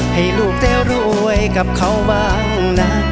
ให้ลูกได้รวยกับเขาบ้างนะ